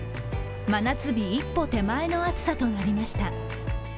真夏日一歩手前の暑さとなりました。